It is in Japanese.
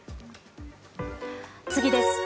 次です。